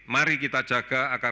mari kita jaga agar bisa menjaga